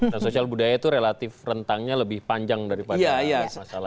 dan sosial budaya itu relatif rentangnya lebih panjang daripada masalah itu